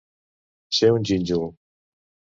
Ser un gínjol.